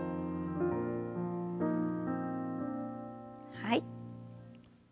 はい。